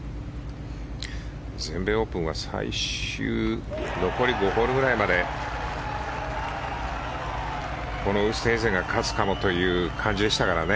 全米オープンは最終残り５ホールぐらいまでウーストヘイゼンが勝つかもという感じでしたからね。